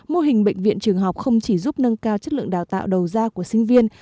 mô hình bệnh viện trường học không chỉ giúp nâng cao chất lượng đào tạo đầu ra của sinh viên